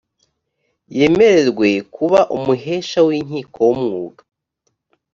yemererwe kuba umuhesha w’inkiko w’umwuga